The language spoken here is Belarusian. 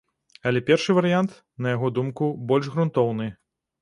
Але першы варыянт, на яго думку, больш грунтоўны.